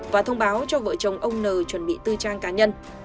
và thông báo cho vợ chồng ông n chuẩn bị tư trang cá nhân